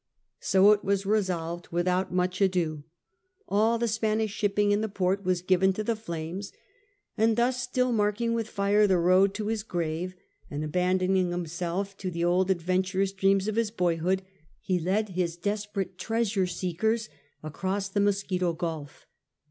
So it was resolved without more ado. XIII THE SHIELD OF VERAGUA 207 All the Spanish shipping in the port was given to the flames, and thus, still marking with fire the road to his grave, and abandoning himself to the old adventurous dreams of his boyhood, he led his desperate treasure seekers across the Mosquito Gulf.